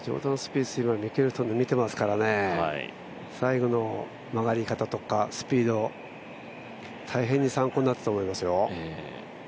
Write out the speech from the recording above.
今ミケルソンの見ていますからね、最後の曲がり方とかスピード、大変に参考になったと思いますよ。